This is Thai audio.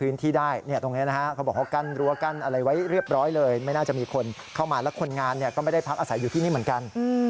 แล้วคนงานก็ไม่ได้พักอาศัยอยู่ที่นี่เหมือนกัน